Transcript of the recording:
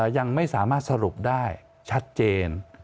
ยังไม่สามารถสรุปได้ชัดเจน